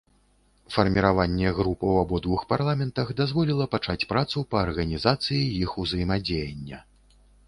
Фарміраванне груп у абодвух парламентах дазволіла пачаць працу па арганізацыі іх узаемадзеяння.